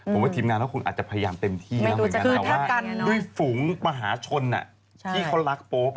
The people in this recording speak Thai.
ผมว่าทีมนานคุณอาจจะพยายามเต็มที่ด้วยฝูงมหาชนที่เขารักโป๊ป